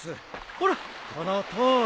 ほらこのとおり。